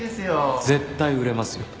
絶対売れますよ